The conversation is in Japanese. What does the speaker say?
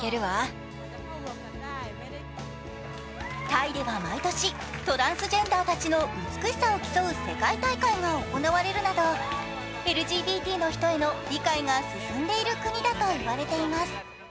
タイでは毎年、トランスジェンダーたちの美しさを競う世界大会が行われるなどＬＧＢＴの人への理解が進んでいる国だといわれています。